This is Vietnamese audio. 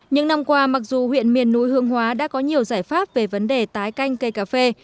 những năm qua mặc dù huyện miền núi hương hóa đã có nhiều giải pháp về vấn đề tái canh cây cà phê